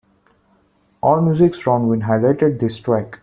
Allmusic's Ron Wynn highlighted this track.